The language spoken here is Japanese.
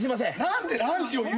何でランチを優先。